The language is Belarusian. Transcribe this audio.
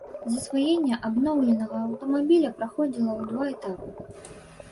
Засваенне абноўленага аўтамабіля праходзіла ў два этапы.